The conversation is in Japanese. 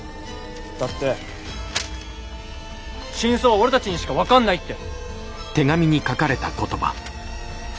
だって真相は俺たちにしか分かんないって。